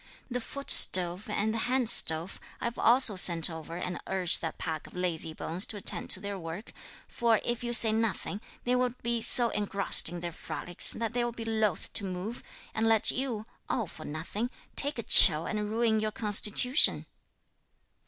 The foot stove and hand stove, I've also sent over; and urge that pack of lazy bones to attend to their work, for if you say nothing, they will be so engrossed in their frolics, that they'll be loth to move, and let you, all for nothing, take a chill and ruin your constitution."